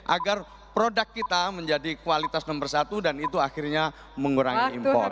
agar produk kita menjadi kualitas nomor satu dan itu akhirnya mengurangi impor